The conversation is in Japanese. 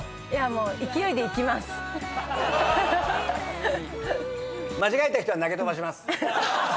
もう勢いでいきます。